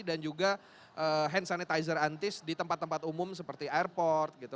dan juga hand sanitizer antis di tempat tempat umum seperti airport gitu